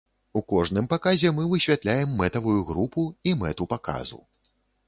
У кожным паказе мы высвятляем мэтавую групу і мэту паказу.